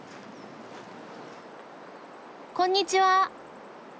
こんにちは。